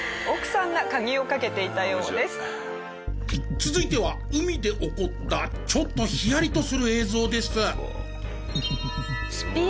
続いては海で起こったちょっとヒヤリとする映像です。